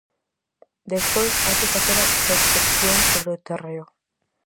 Despois hai que facer a prospección sobre o terreo.